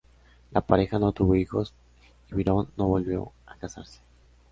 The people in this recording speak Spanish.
La pareja no tuvo hijos, y Byron no volvió a casarse.